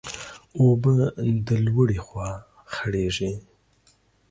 اوبه د لوړي خوا خړېږي.